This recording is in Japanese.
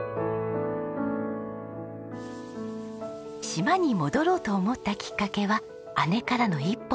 島に戻ろうと思ったきっかけは姉からの１本の電話。